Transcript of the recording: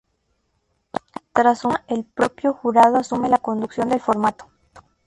Tras su marcha, el propio jurado asume la conducción del formato.